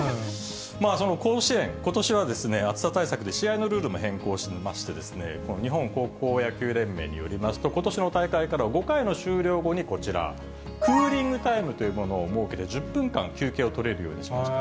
その甲子園、ことしは暑さ対策で試合のルールも変更しまして、日本高校野球連盟によりますと、ことしの大会から、５回の終了後にこちら、クーリングタイムというものを設けて、１０分間休憩を取れるようにしました。